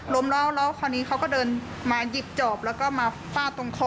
ล้มแล้วแล้วคราวนี้เขาก็เดินมาหยิบจอบแล้วก็มาฟาดตรงคอ